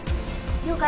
了解。